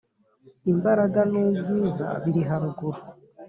Imbaraga n ubwiza biri haruguru